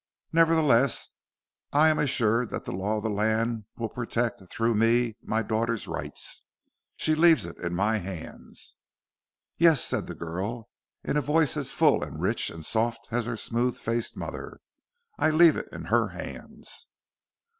Nevertheless, I am assured that the law of the land will protect, through me, my daughter's rights. She leaves it in my hands." "Yes," said the girl, in a voice as full and rich and soft as her smooth faced mother, "I leave it in her hands."